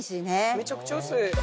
めちゃくちゃ薄い。